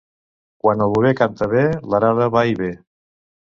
Quan el bover canta bé, l'arada va i ve.